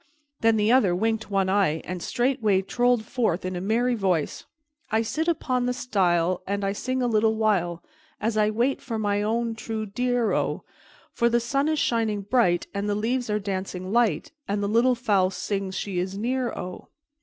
Then the other winked one eye and straightway trolled forth in a merry voice: "_I sit upon the stile, And I sing a little while As I wait for my own true dear, O, For the sun is shining bright, And the leaves are dancing light, And the little fowl sings she is near, O_.